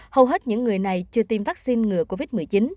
hầu hết những người này chưa tiêm vaccine ngừa covid một mươi chín